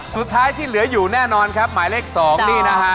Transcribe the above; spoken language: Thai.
สุดท้ายที่เหลืออยู่แน่นอนครับหมายเลข๒นี่นะฮะ